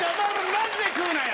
マジで食うなよ！